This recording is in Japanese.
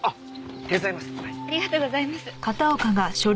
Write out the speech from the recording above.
ありがとうございます。